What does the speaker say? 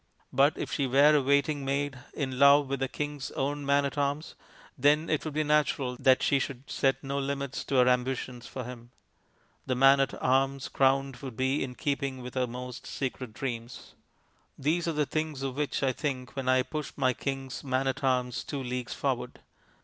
But if she were a waiting maid in love with the king's own man at arms, then it would be natural that she should set no limit to her ambitions for him. The man at arms crowned would be in keeping with her most secret dreams. These are the things of which I think when I push my king's man at arms two leagues forward.